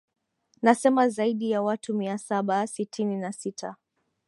nasema zaidi ya watu mia saba sitini na sita